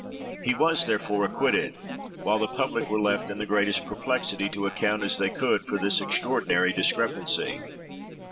He was, therefore, acquitted; while the public were left in the greatest perplexity, to account as they could for this extraordinary discrepancy.